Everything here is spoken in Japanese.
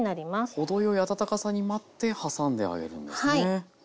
程よい温かさに待って挟んであげるんですね。